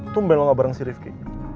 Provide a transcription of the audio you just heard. tumben lo gak bareng si rifki